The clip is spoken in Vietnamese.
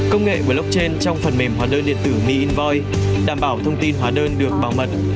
công nghệ blockchain trong phần mềm hóa đơn điện tử mi invoice đảm bảo thông tin hóa đơn được bảo mật